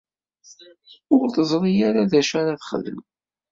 Ur teẓri ara d acu ara texdem?